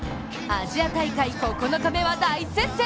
アジア大会９日目は大接戦。